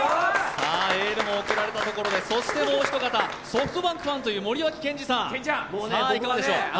エールも送られたところでもう一方、ソフトバンクファンという森脇健児さん、いかがでしょう。